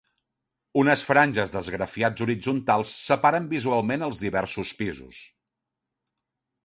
Unes franges d'esgrafiats horitzontals separen visualment els diversos pisos.